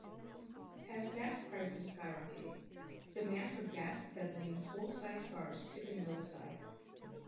As gas prices skyrocketed, demand for gas-guzzling full-sized cars took a nosedive.